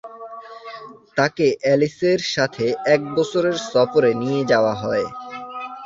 তাকে অ্যালিসের সাথে এক বছরের সফরে নিয়ে যাওয়া হয়।